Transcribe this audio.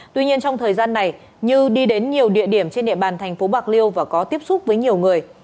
tuy nhiên trong thời gian này như đi đến nhiều địa điểm trên địa bàn thành phố bạc liêu và có tiếp xúc với nhiều người